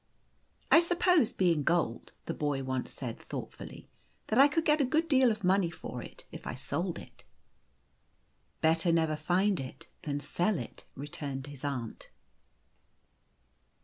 'I suppose, being gold/' the boy once said, thought fully, " that I could get a good deal of money for it if I sold it." " Better never find it than sell it," returned his aunt.